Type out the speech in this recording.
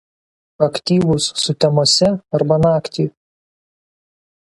Aktyvūs sutemose arba naktį.